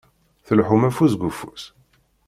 Tleḥḥum afus deg ufus?